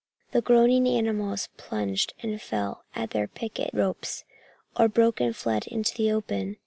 The groaning animals plunged and fell at their picket ropes, or broke and fled into the open.